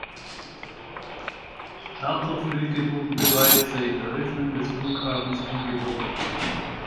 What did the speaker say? Charterflüge wurden bereits seit Eröffnung des Flughafens angeboten.